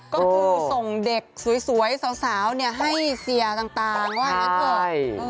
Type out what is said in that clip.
ก็คือส่งเด็กสวยสาวให้เสียต่างว่างั้นเถอะ